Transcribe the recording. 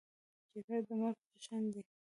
جګړه د مرګ جشن دی